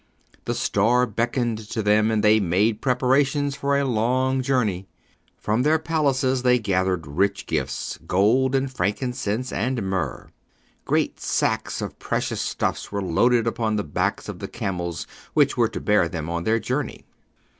The star beckoned to them and they made preparations for a long journey. From their palaces they gathered rich gifts, gold and frankincense and myrrh. Great sacks of precious stuffs were loaded upon the backs of the camels which were to bear them on their journey.